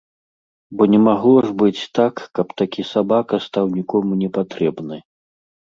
Бо не магло ж быць так, каб такі сабака стаў нікому не патрэбны.